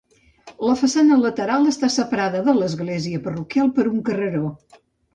La façana lateral està separada de l'església parroquial per un carreró.